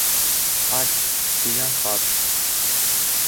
— Ащ, — тигән ҡарт.